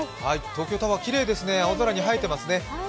東京タワーきれいですね、青空に生えていますね。